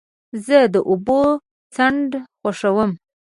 زه د اوبو څنډه خوښوم.